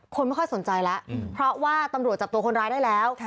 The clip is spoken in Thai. คนไม่ค่อยสนใจแล้วเพราะว่าตำรวจจับตัวคนร้ายได้แล้ว